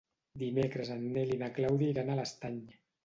Dimecres en Nel i na Clàudia iran a l'Estany.